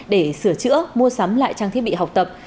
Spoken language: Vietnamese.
giữa chữa mua sắm lại trang thiết bị học tập